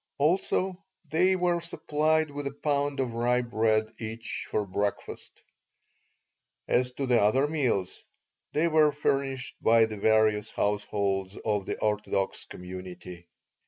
Also, they were supplied with a pound of rye bread each for breakfast. As to the other meals, they were furnished by the various households of the orthodox community.